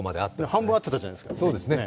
半分あってたじゃないですか。